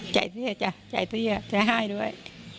ใจเสี้ยใจเสี้ยใจให้ด้วย